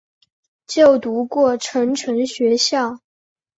就读过成城学校。